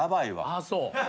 ああそう。